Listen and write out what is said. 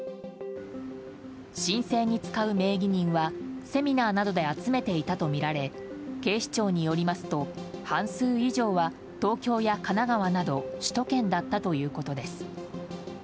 申請に使う名義人はセミナーなどで集めていたとみられ警視庁によりますと半数以上は東京や神奈川など首都圏だったということです。